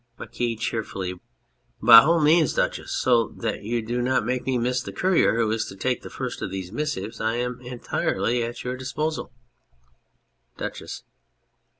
MARQUIS (cheerfully). By all means, Duchess, so that you do not make me miss the courier who is to take the first of these missives. I am entirely at your disposal. DUCHESS.